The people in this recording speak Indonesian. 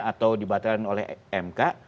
atau dibatalkan oleh mk